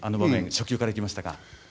初球からいきましたが。